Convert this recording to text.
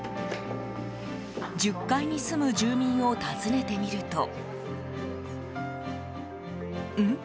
１０階に住む住民を訪ねてみるとん？